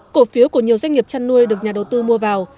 cổ phiếu của nhiều doanh nghiệp chăn nuôi được nhà đầu tư mua vào